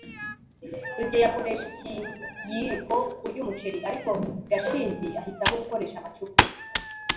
rugeyo akoresha ikiyiko kurya umuceri, ariko gashinzi ahitamo gukoresha amacupa